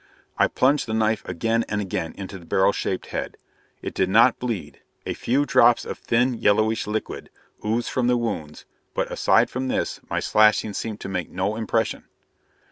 I plunged the knife again and again into the barrel shaped head. It did not bleed: a few drops of thin, yellowish liquid oozed from the wounds but aside from this my slashing seemed to make no impression.